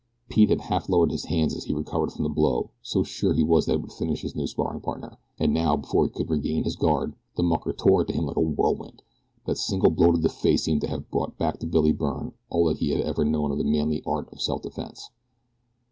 Pete had half lowered his hands as he recovered from the blow, so sure he was that it would finish his new sparring partner, and now before he could regain his guard the mucker tore into him like a whirlwind. That single blow to the face seemed to have brought back to Billy Byrne all that he ever had known of the manly art of self defense.